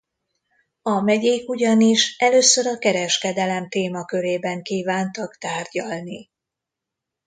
A megyék ugyanis először a kereskedelem témakörében kívántak tárgyalni.